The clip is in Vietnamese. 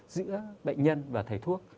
giữa bệnh nhân và thầy thuốc